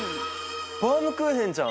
バウムクーヘンじゃん！